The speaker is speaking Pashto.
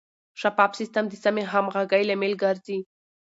شفاف سیستم د سمې همغږۍ لامل ګرځي.